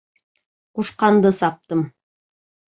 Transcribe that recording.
Ҡушҡанды саптым.